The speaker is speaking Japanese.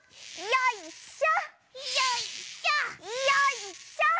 よいしょ！